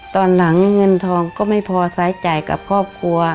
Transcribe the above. ตอนหลังเงินทองก็ไม่พอใช้จ่ายกับครอบครัว